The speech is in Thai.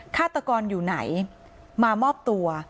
ฆาตกรอยู่ไหนมามอบตัว